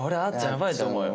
ヤバいと思うよ。